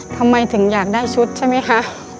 ทำไมถึงอยากได้ชุดใช่ไหมคะ